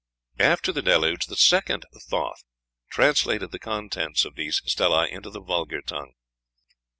After the Deluge the second Thoth translated the contents of these stelæ into the vulgar tongue.